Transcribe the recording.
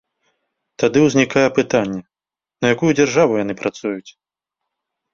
Тады ўзнікае пытанне, на якую дзяржаву яны працуюць?